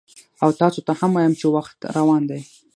او تاسو ته هم وایم چې وخت روان دی،